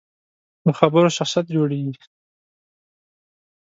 له خبرو شخصیت جوړېږي.